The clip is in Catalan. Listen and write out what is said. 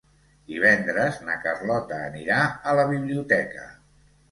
Divendres na Carlota anirà a la biblioteca.